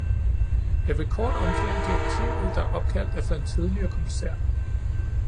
Jeg vil kort omtale direktivet, der er opkaldt efter en tidligere kommissær.